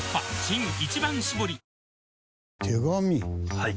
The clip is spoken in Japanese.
はい。